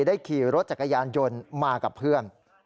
ได้ขี่รถจักรยานยนต์มากับเพื่อน